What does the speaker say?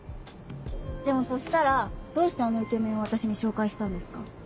でもそしたらどうしてあのイケメンを私に紹介したんですか？